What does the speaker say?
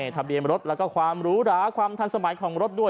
ทะเบียนรถแล้วก็ความหรูหราความทันสมัยของรถด้วย